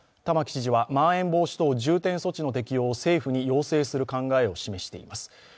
玉城知事はまん延防止等重点措置の適用を政府に要請する考えを示しています。